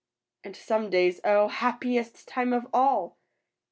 And some days, oh, happiest time of all!